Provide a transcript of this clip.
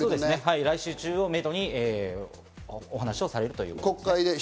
来週中をめどにお話をされるということです。